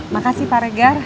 makasih pak regan